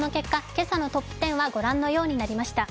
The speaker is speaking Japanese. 今朝のトップ１０はご覧のようになりました。